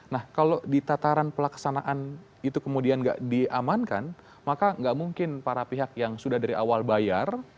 nah kalau di tataran pelaksanaan itu kemudian nggak diamankan maka nggak mungkin para pihak yang sudah dari awal bayar